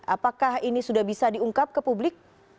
apakah ini sudah bisa diungkap ke publik